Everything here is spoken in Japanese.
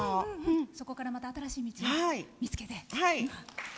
そこからまた新しい道を見つけて。